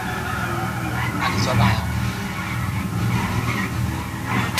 No microphones have yet been made using this idea.